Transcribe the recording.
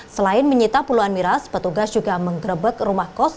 selain menyita puluhan miras petugas juga menggerebek rumah kos